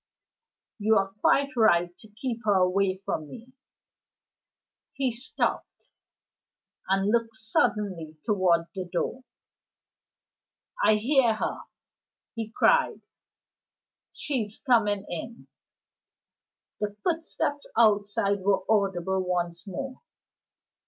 You are quite right to keep me away from her." He stopped and looked suddenly toward the door. "I hear her," he cried, "She's coming in!" The footsteps outside were audible once more.